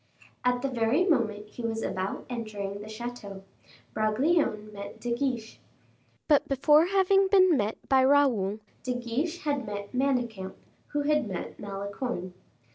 At the very moment he was about entering the chateau, Bragelonne met De Guiche. But before having been met by Raoul, De Guiche had met Manicamp, who had met Malicorne.